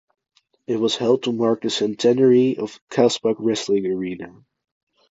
It was held to mark the centenary of Khasbag wrestling arena.